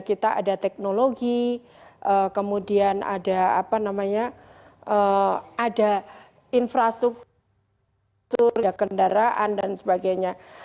kita ada teknologi kemudian ada infrastruktur kendaraan dan sebagainya